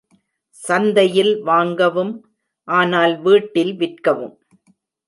சந்தையில் வாங்கவும், ஆனால் வீட்டில் விற்கவும்.